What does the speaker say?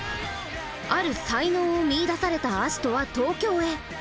ある才能を見いだされた葦人は東京へ。